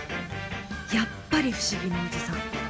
やっぱり不思議なおじさん。